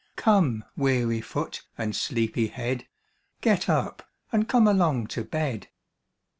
Come, weary foot, and sleepy head, Get up, and come along to bed."